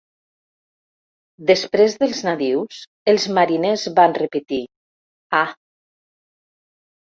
Després dels nadius, els mariners van repetir "Ah!"